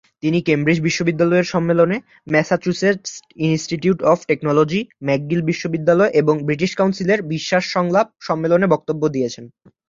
তিনি কেমব্রিজ বিশ্ববিদ্যালয়ের সম্মেলনে; Massachusetts Institute of Technology, McGill বিশ্ববিদ্যালয়, এবং ব্রিটিশ কাউন্সিলের "বিশ্বাস, সংলাপ" সম্মেলনে বক্তব্য দিয়েছেন।